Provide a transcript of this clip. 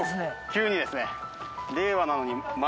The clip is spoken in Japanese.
急にですね。